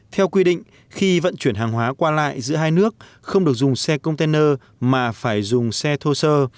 theo quy định khi vận chuyển hàng hóa qua lại giữa hai nước không được dùng xe container mà phải dùng xe thô sơ